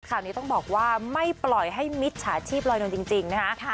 ข่าวนี้ต้องบอกว่าไม่ปล่อยให้มิจฉาชีพลอยนวลจริงนะคะ